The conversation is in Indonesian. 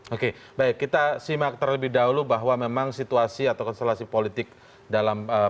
oke baik kita simak terlebih dahulu bahwa memang situasi atau konstelasi politik dalam